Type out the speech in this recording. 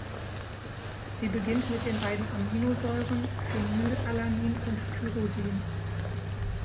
Sie beginnt mit den beiden Aminosäuren -Phenylalanin und -Tyrosin.